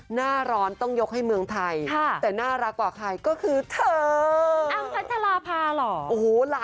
หน้าร้อนต้องยกให้เมืองไทยแต่น่ารักกว่าใคร